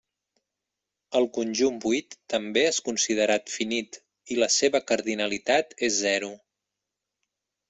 El conjunt buit també és considerat finit, i la seva cardinalitat és zero.